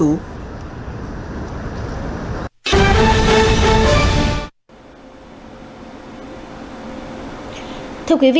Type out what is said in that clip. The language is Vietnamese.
thưa quý vị không cần phải mất công di chuyển cũng không cần phải bỏ nhiều tiền ra để mua vé